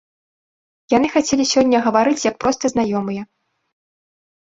Яны хацелі сёння гаварыць як проста знаёмыя.